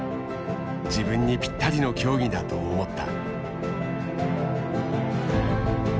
自分にぴったりの競技だと思った。